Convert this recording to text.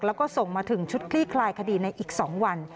แล้วก็ส่งมาถึงชุดคลี่คลายคดีในอีก๒วัน